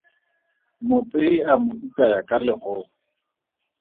Motsei a mo itaya ka legofi.